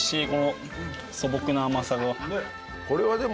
これはでも。